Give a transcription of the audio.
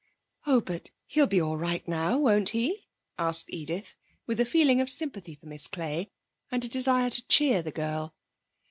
'Oh, but he'll be all right now, won't he?' asked Edith, with a feeling of sympathy for Miss Clay, and a desire to cheer the girl.